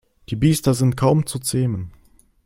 Die Biester sind kaum zu zähmen.